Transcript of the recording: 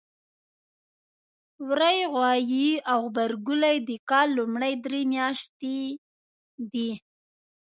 وری ، غوایی او غبرګولی د کال لومړۍ درې میاتشې دي.